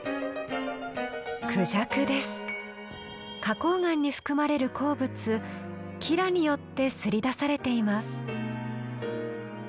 花こう岩に含まれる鉱物雲母によってすり出されています。